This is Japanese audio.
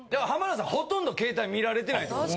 浜田さん、ほとんど携帯見られてないと。